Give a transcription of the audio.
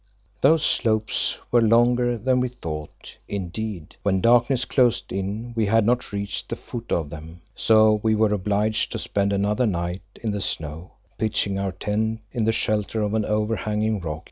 Those slopes were longer than we thought; indeed, when darkness closed in we had not reached the foot of them. So we were obliged to spend another night in the snow, pitching our tent in the shelter of an over hanging rock.